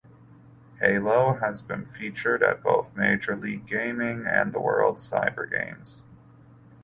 "Halo" has been featured at both Major League Gaming and the World Cyber Games.